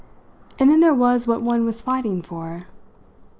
And then there was what one was fighting for!